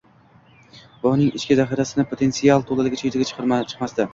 va uning ichki zahirasi – potensiali to‘laligicha yuzaga chiqmasdi